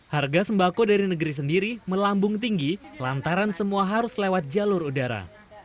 harga sembako dari negeri sendiri melambung tinggi lantaran semua harus lewat jalur udara